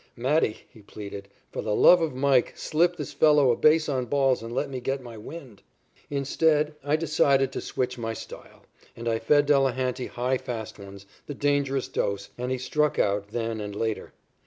"Matty," he pleaded, "for the love of Mike, slip this fellow a base on balls and let me get my wind." Instead I decided to switch my style, and I fed Delehanty high fast ones, the dangerous dose, and he struck out then and later.